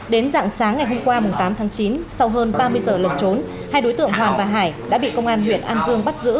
đến dạng sáng ngày hôm qua tám tháng chín sau hơn ba mươi giờ lẩn trốn hai đối tượng hoàn và hải đã bị công an huyện an dương bắt giữ